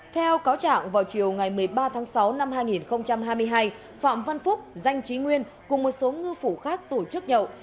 theo cáo trạng vào chiều ngày một mươi ba tháng sáu năm hai nghìn hai mươi hai phạm văn phúc danh trí nguyên cùng một số ngư phủ khác tổ chức nhậu